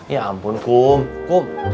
ya ampun kum